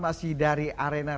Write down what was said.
masih dari arena